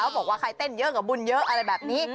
บอกว่าใครเต้นเยอะกับบุญเยอะอะไรแบบนี้